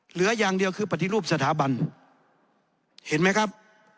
เหลืออย่างเดียวคือปฏิรูปสถาบันเห็นไหมครับ